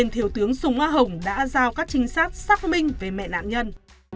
trung hoa hồng đã giao các trinh sát xác minh về mẹ nạn nhân